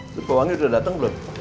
itu pewangi udah datang belum